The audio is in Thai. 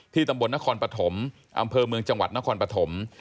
ตำบลนครปฐมอำเภอเมืองจังหวัดนครปฐม